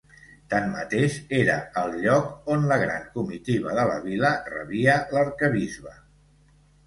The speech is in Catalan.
Tanmateix era el lloc on la gran comitiva de la vila rebia l'arquebisbe.